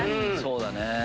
そうだね。